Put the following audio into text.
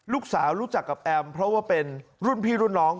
ลูกสาวรู้จักกับแอมเพราะว่าเป็นรุ่นพี่รุ่นน้อง